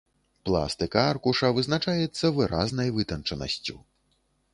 Пластыка аркуша вызначаецца выразнай вытанчанасцю.